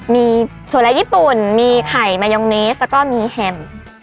มีสวยร้ายญี่ปุ่นมีไข่ไมโยางเนทแล้วก็มีแฮม